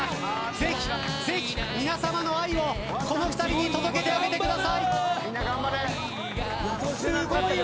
ぜひぜひ皆様の愛をこの２人に届けてあげてください。